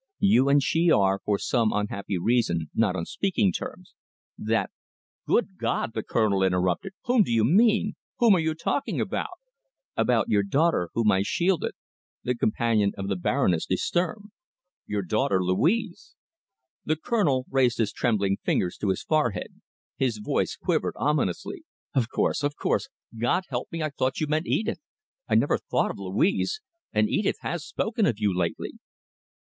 "You and she are, for some unhappy reason, not on speaking terms. That " "Good God!" the Colonel interrupted, "whom do you mean? Whom are you talking about?" "About your daughter whom I shielded the companion of the Baroness de Sturm. Your daughter Louise." The Colonel raised his trembling fingers to his forehead. His voice quivered ominously. "Of course! Of course! God help me, I thought you meant Edith! I never thought of Louise. And Edith has spoken of you lately."